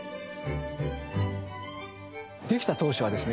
出来た当初はですね